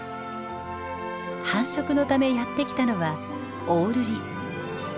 繁殖のためやって来たのはオオルリ。